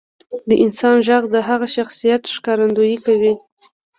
• د انسان ږغ د هغه د شخصیت ښکارندویي کوي.